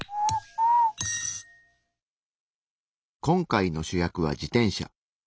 今回の主役は自転車。